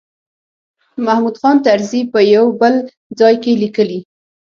محمود خان طرزي په یو بل ځای کې لیکلي.